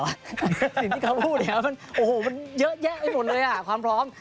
สิ่งที่เขาพูดเนี่ยมันโอ้โหมันเยอะแยะไปหมดเลยอ่ะความพร้อม